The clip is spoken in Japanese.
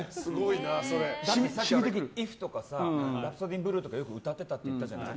「ｉｆ．．．」とか「ラプソディーインブルー」とかよく歌ってたって言ったじゃない。